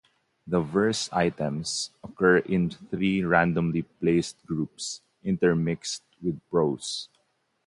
The verse items occur in three randomly placed groups intermixed with prose.